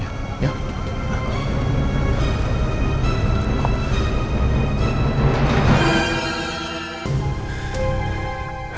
ayo kita masuk ke dalam lagi